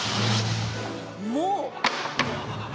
もう？